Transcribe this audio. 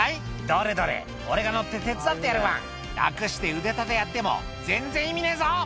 「どれどれ俺が乗って手伝ってやるワン」「楽して腕立てやっても全然意味ねえぞ」